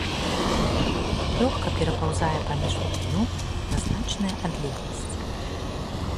Лёгка перапаўзае паміж вадаёмамі на значныя адлегласці.